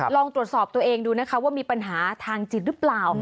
ลองตรวจสอบตัวเองดูนะคะว่ามีปัญหาทางจิตหรือเปล่า